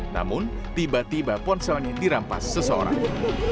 namun tiba tiba ponselnya dirampas seseorang